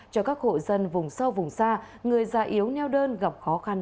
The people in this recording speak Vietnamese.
cho các hộ dân vùng sâu vùng xa người già yếu neo đơn gặp khó khăn